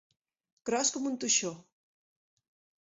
Gros com un teixó.